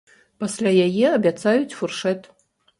Пасля яе абяцаюць фуршэт.